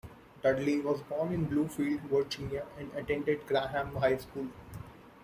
Dudley was born in Bluefield, Virginia and attended Graham High School.